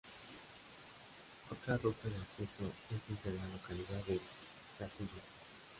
Otra ruta de acceso es desde la localidad de La Zubia.